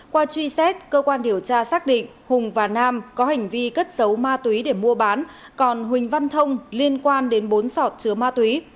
qua truy xét cơ quan điều tra xác định hùng và nam có hành vi cất giấu ma túy để mua bán còn huỳnh văn thông liên quan đến bốn sọt chứa ma túy